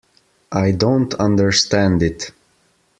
I don't understand it.